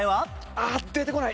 あっ出てこない！